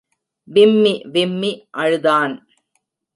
விம்மி விம்மி அழுதான்.